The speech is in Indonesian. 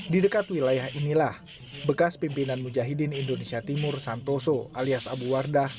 di dekat wilayah inilah bekas pimpinan mujahidin indonesia timur santoso alias abu wardah